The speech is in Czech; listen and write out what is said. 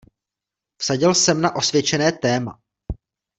Vsadil jsem na osvědčené téma.